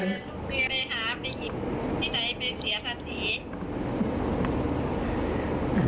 ที่ไหนเป็นเสียภาษี